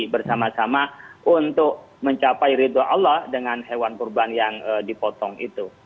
bersama sama untuk mencapai ridho allah dengan hewan kurban yang dipotong itu